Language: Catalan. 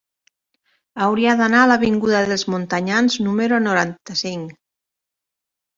Hauria d'anar a l'avinguda dels Montanyans número noranta-cinc.